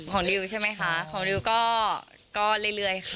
ดิวใช่ไหมคะของดิวก็เรื่อยค่ะ